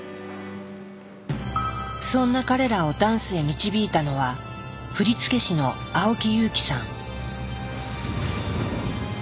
そんな彼らをダンスへ導いたのは振付師のアオキ裕キさん。